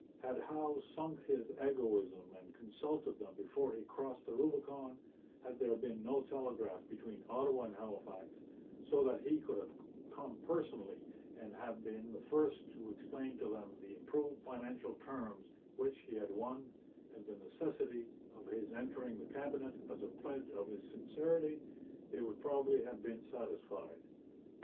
Had Howe sunk his egoism and consulted them before he crossed the Rubicon, had there been no telegraph between Ottawa and Halifax, so that he could have come personally and have been the first to explain to them the improved financial terms which he had won, and the necessity of his entering the Cabinet as a pledge of his sincerity, they would probably have been satisfied.